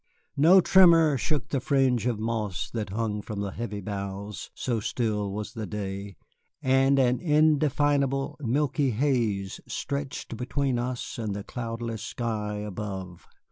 No tremor shook the fringe of moss that hung from the heavy boughs, so still was the day, and an indefinable, milky haze stretched between us and the cloudless sky above.